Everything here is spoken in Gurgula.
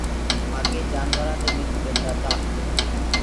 آگي جآنورآن دي منک ڏردآ تآ